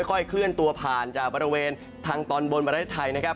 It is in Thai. ค่อยเคลื่อนตัวผ่านจากบริเวณทางตอนบนประเทศไทยนะครับ